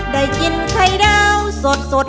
ได้กินไข่ดาวสด